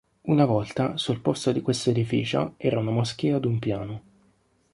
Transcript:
Una volta sul posto di questo edificio era una moschea ad un piano.